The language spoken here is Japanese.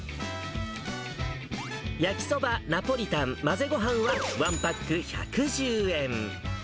焼きそば、ナポリタン、混ぜごはんは１パック１１０円。